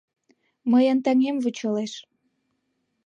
Мыйын таҥем вучалеш.